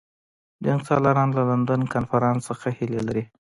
جنګسالاران د لندن کنفرانس څخه هیلې لري.